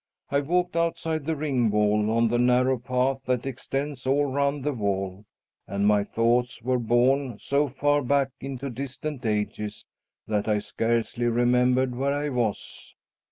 I walked outside the ring wall on the narrow path that extends all round the wall, and my thoughts were borne so far back into distant ages that I scarcely remembered where I was.